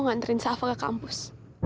nganterin safa ke kampus